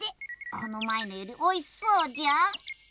このまえのよりおいしそうじゃん。